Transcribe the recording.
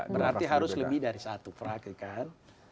berarti harus lebih dari satu praktik kan